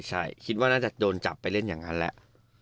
ใช่คิดว่าน่าจะโดนจับไปเล่นอย่างนั้นแหละ